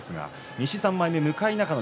西３枚目向中野